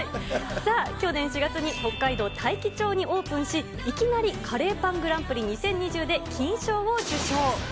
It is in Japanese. さあ、去年４月に北海道大樹町にオープンし、いきなりカレーパングランプリ２０２０で金賞を受賞。